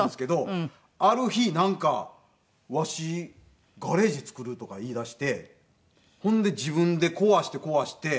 ある日なんか「わしガレージ造る」とか言いだしてほんで自分で壊して壊して。